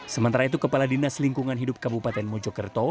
sementara itu kepala dinas lingkungan hidup kabupaten mojokerto